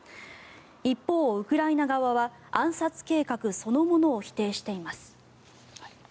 一方、ウクライナ側は暗殺計画そのものを否定しています。